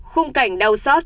khung cảnh đau xót